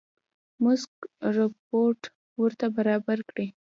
موثق رپوټ ورته برابر کړي.